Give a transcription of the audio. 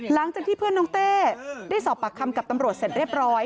หลังจากที่เพื่อนน้องเต้ได้สอบปากคำกับตำรวจเสร็จเรียบร้อย